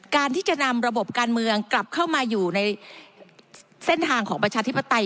การที่จะนำระบบการเมืองกลับเข้ามาอยู่ในเส้นทางของประชาธิปไตย